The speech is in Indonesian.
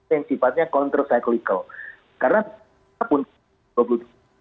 yang sifatnya kontro psikolikal